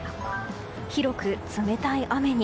広く冷たい雨に。